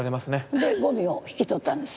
でゴミを引き取ったんです。